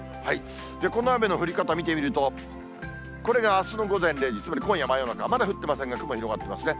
この雨の降り方見てみると、これがあすの午前０時、つまり今夜真夜中まだ降ってませんが、雲広がってますね。